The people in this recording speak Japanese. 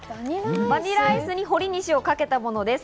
バニラアイスにほりにしをかけたものです。